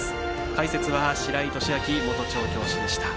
解説は白井寿昭元調教師でした。